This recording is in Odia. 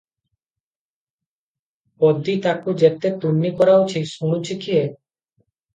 ପଦୀ ତାକୁ ଯେତେ ତୁନି କରାଉଛି, ଶୁଣୁଛି କିଏ?